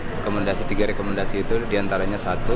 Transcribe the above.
rekomendasi tiga rekomendasi itu diantaranya satu